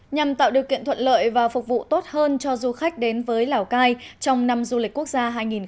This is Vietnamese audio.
nhằm tạo điều kiện thuận lợi và phục vụ tốt hơn cho du khách đến với lào cai trong năm du lịch quốc gia hai nghìn hai mươi bốn